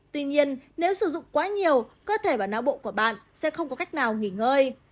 tuy nhiên nếu sử dụng quá nhiều cơ thể và não bộ của bạn sẽ không có cách nào nghỉ ngơi